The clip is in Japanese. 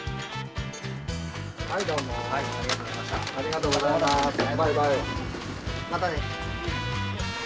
はいどうもありがとうございました。